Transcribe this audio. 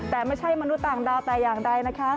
แต่ไม่ใช่มนุษย์ต่างดาวแต่อย่างใดนะคะ